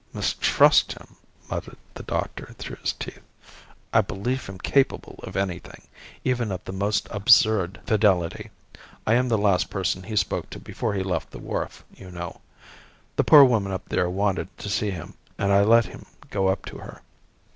"Mistrust him!" muttered the doctor through his teeth. "I believe him capable of anything even of the most absurd fidelity. I am the last person he spoke to before he left the wharf, you know. The poor woman up there wanted to see him, and I let him go up to her.